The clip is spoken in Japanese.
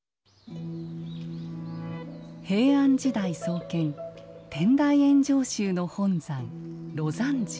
平安時代創建天台圓淨宗の本山